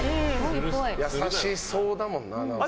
優しそうだもんな。